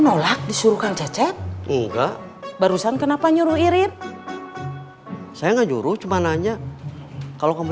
nolak disuruh kang cecep enggak barusan kenapa nyuruh irip saya nyuruh cuma nanya kalau kamu